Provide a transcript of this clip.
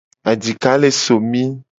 Adika le somi.